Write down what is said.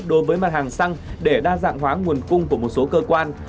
đối với mặt hàng xăng để đa dạng hóa nguồn cung của một số cơ quan